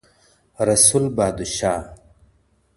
رسول بادشاه